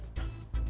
dan itu kondisinya